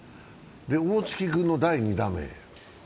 大槻君の第２打目。